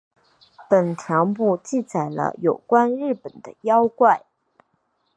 本条目记载了有关日本的妖怪。